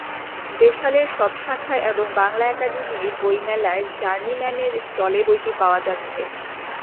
দেশালের সব শাখায় এবং বাংলা একাডেমির বইমেলায় জার্নিম্যানের স্টলে বইটি পাওয়া যাচ্ছে।